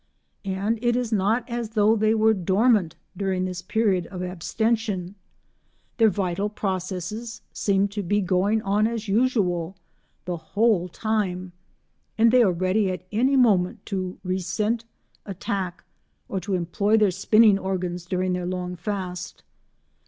And it is not as though they were dormant during this period of abstention; their vital processes seem to be going on as usual the whole time, and they are ready at any moment to resent attack, or to employ their spinning organs during their long fast.